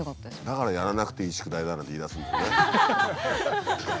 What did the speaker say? だからやらなくていい宿題だなんて言いだすんだね。